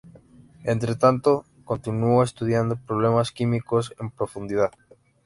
Entre tanto, continuó estudiando problemas químicos en profundidad.